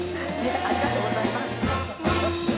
ありがとうございます。